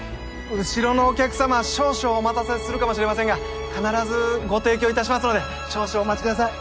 後ろのお客様少々お待たせするかもしれませんが必ずご提供いたしますので少々お待ちください。